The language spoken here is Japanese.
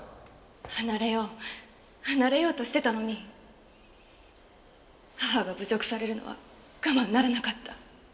離れよう離れようとしてたのに母が侮辱されるのは我慢ならなかった。